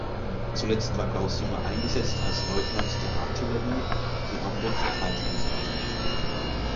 Zuletzt war Klaus Junge eingesetzt als Leutnant der Artillerie, die Hamburg verteidigen sollte.